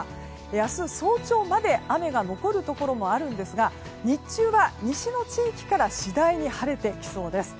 明日、早朝まで雨が残るところもあるんですが日中は西の地域から次第に晴れてきそうです。